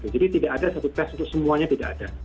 jadi tidak ada satu tes itu semuanya tidak ada